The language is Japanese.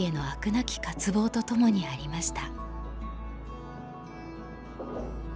なき渇望とともにありました。